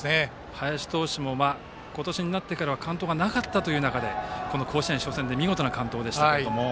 林投手も今年になってからは完投がなかったという中でこの甲子園初戦で見事な完投でした。